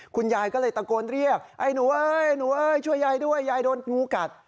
คุณยายก็เลยตะโกนเรียกไอ้หนูเอ้ยหนูเอ้ยช่วยยายด้วยยายโดนงูกัด